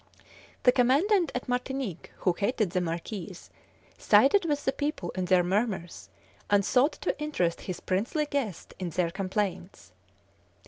The Commandant at Martinique, who hated the Marquis, sided with the people in their murmurs, and sought to interest his princely guest in their complaints.